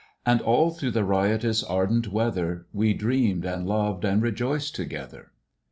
And all through the riotous, ardent weather We dreamed, and loved, and rejoiced together.